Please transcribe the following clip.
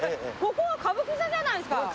ここは歌舞伎座じゃないですか。